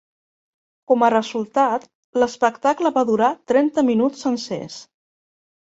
Com a resultat, l'espectacle va durar trenta minuts sencers.